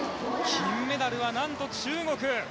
金メダルは何と中国。